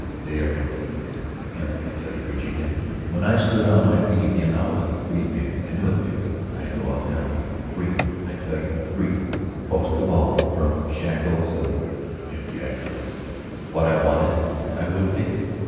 They are empty; empty, I tell you, Virginia! When I stood on my feet again I was a free man. I knew it then, I know it now. Free, I tell you. Free, most of all from shackles of empty ideas. What I wanted I would take."